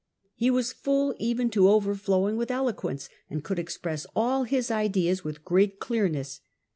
" He was full even to overflowing with eloquence, and could express all his ideas with great clearness.